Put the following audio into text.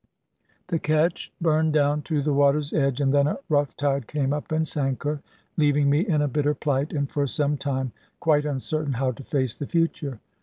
The ketch burned down to the water's edge, and then a rough tide came up and sank her, leaving me in a bitter plight, and for some time quite uncertain how to face the future.